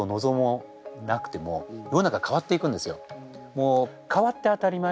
もう変わって当たり前。